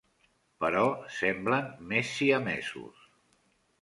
Però semblen més siamesos.